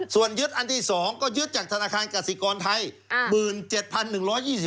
ส่วนยึดอันที่๒ก็ยึดจากธนาคารกสิกรไทย